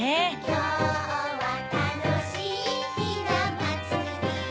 きょうはたのしいひなまつり